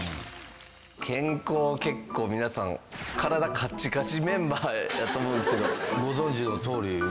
健康結構皆さん体カッチカチメンバーやと思うんですけど。